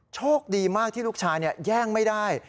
โชคดีมากที่ลูกชายแย่งไม่ได้